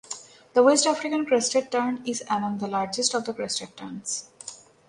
The West African crested tern is among the largest of the crested terns.